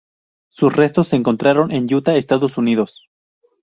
Sus restos se encontraron en Utah, Estados Unidos.